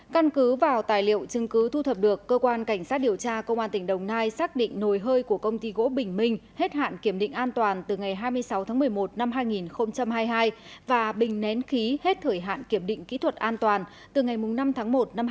căn cứ vào tài liệu chứng cứ thu thập được cơ quan cảnh sát điều tra công an tỉnh đồng nai xác định nồi hơi của công ty gỗ bình minh hết hạn kiểm định an toàn từ ngày hai mươi sáu tháng một mươi một năm hai nghìn hai mươi hai và bình nén khí hết thời hạn kiểm định kỹ thuật an toàn từ ngày năm tháng một năm hai nghìn hai mươi